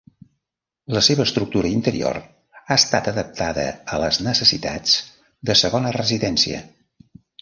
La seva estructura interior ha estat adaptada a les necessitats de segona residència.